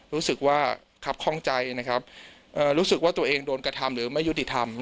รู้สึกว่าครับข้องใจนะครับรู้สึกว่าตัวเองโดนกระทำหรือไม่ยุติธรรม